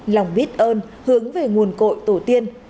lòng biết ơn hướng về nguồn cội tổ tiên